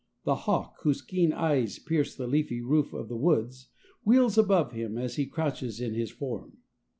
The hawk, whose keen eyes pierce the leafy roof of the woods, wheels above him as he crouches in his form.